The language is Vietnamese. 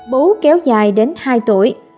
bú kéo dài đến hai tuổi